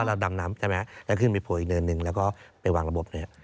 พอเราดำน้ำนะครับไปทั้งไปปรุงหนึ่ง